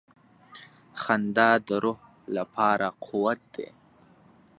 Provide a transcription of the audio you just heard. • خندا د روح لپاره قوت دی.